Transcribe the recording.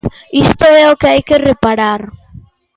Isto é o que hai que reparar.